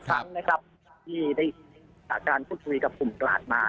ที่ได้อยู่ในสถานการณ์คุยกับฝุ่มกระหตุมา